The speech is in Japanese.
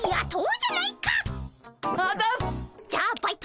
じゃあバイト